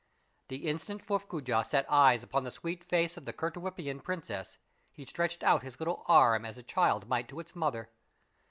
The instant F uffcoojah set eyes upon the sweet face of the Koltykwerpian princess, he stretched out his little arm as a child might to its mother.